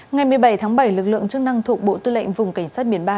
ngày một mươi bảy tháng bảy lực lượng chức năng thuộc bộ tư lệnh vùng cảnh sát biển ba